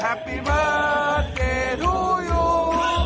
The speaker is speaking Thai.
แฮปปี้เบิร์สเจทูยู